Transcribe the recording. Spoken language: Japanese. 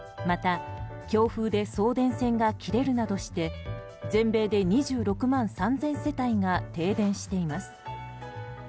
また、強風で送電線が切れるなどして全米で２６万３０００世帯が停電しています。